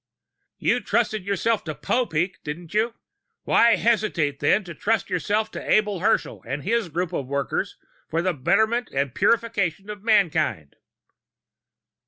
"You trusted yourselves to Popeek, didn't you? Why hesitate, then, to trust yourselves to Abel Herschel and his group of workers for the betterment and purification of mankind?"